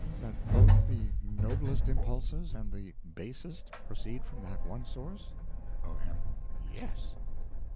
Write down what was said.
That both the noblest impulses and the basest proceed from that one source? O.M. Yes.